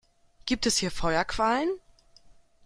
Gibt es hier Feuerquallen?